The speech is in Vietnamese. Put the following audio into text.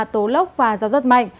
tố lốc và gió rất mạnh